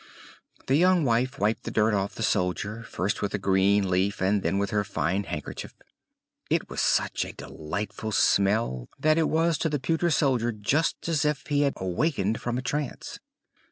The young wife wiped the dirt off the soldier, first with a green leaf, and then with her fine handkerchief it had such a delightful smell, that it was to the pewter soldier just as if he had awaked from a trance.